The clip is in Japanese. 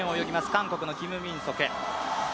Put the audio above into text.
韓国のキム・ミンソク。